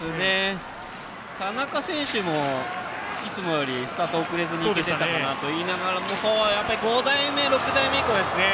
田中選手もいつもよりスタートが遅れずにいったかなと思ったんですがやはり５台目、６台目以降ですね。